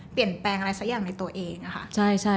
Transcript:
เปลี่ยนแปลงอะไรสักอย่างในตัวเองอะค่ะ